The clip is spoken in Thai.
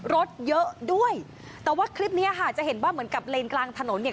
รถเยอะด้วยแต่ว่าคลิปเนี้ยค่ะจะเห็นว่าเหมือนกับเลนกลางถนนเนี่ย